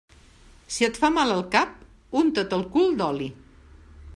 Si et fa mal el cap, unta't el cul d'oli.